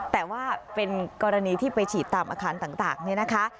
แต่ว่าเป็นกรณีที่ไปฉีดตามอาคารต่างเนี่ยนะคะ